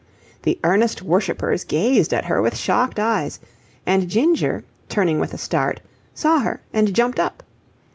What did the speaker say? The earnest worshippers gazed at her with shocked eyes, and Ginger, turning with a start, saw her and jumped up.